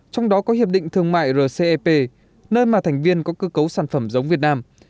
trong đó có hiệp định thương mại rcep nơi mà thành viên có cơ cấu sản phẩm giống việt nam